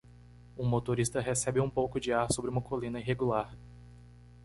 Um motorista recebe um pouco de ar sobre uma colina irregular.